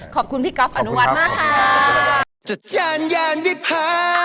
ขอบคุณพี่ก๊อฟอนุวัฒน์มากค่ะ